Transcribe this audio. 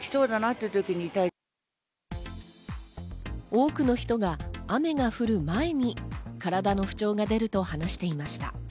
多くの人が雨が降る前に体の不調が出ると話していました。